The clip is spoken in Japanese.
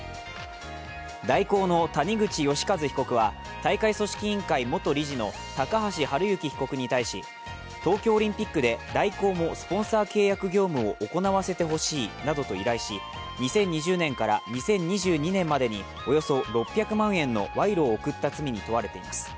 大広の谷口義一被告は大会組織委員会元理事の高橋治之被告に対し、東京オリンピックで大広もスポンサー契約業務を行わせてほしいなどと依頼し２０２０年から２０２２年までにおよそ６００万円の賄賂を送った罪に問われています。